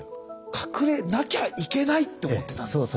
隠れなきゃいけないって思ってたんですね。